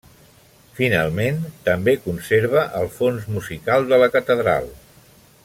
Finalment, també conserva el fons musical de la Catedral.